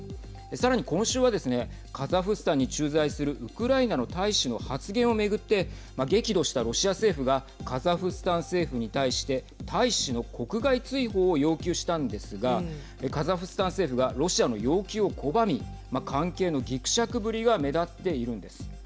さらに今週はですねカザフスタンに駐在するウクライナの大使の発言を巡って激怒したロシア政府がカザフスタン政府に対して大使の国外追放を要求したんですがカザフスタン政府がロシアの要求を拒み関係のぎくしゃくぶりが目立っているんです。